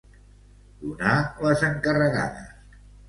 Donar les encarregades.